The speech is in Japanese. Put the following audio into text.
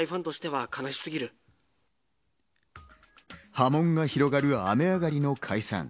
波紋が広がる雨上がりの解散。